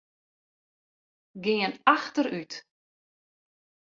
Gean achterút.